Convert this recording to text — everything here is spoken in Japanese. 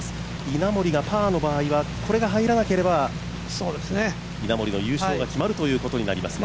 稲森がパーの場合はこれが入らなければ稲森の優勝が決まります。